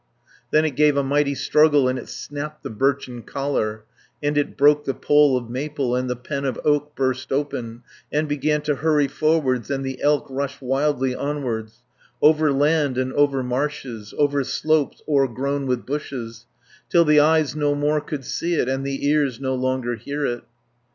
Then it gave a mighty struggle, And it snapped the birchen collar, And it broke the pole of maple, And the pen of oak burst open, 240 And began to hurry forwards, And the elk rushed wildly onwards, Over land and over marshes, Over slopes o'ergrown with bushes, Till the eyes no more could see it, And the ears no longer hear it.